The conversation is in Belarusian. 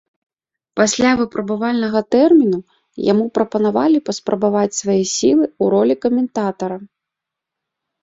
Пасля выпрабавальнага тэрміну яму прапанавалі паспрабаваць свае сілы ў ролі каментатара.